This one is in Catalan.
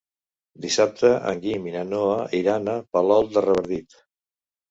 Dissabte en Guim i na Noa iran a Palol de Revardit.